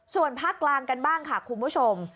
ส่วนภาคกลางกันบ้างค่ะคุณผู้ชม